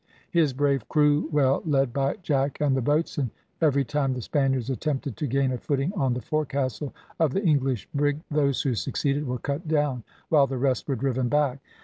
His brave crew well led by Jack and the boatswain, every time the Spaniards attempted to gain a footing on the forecastle of the English brig, those who succeeded were cut down, while the rest were driven back.